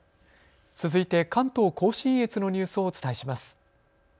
続いて関東甲信越のニュースをお伝えします。